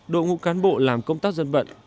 đội ngũ cán bộ làm công tác dân vận